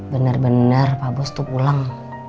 bener bener pak bos tuh pulang